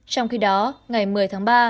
trong khi đó ngày một mươi tháng ba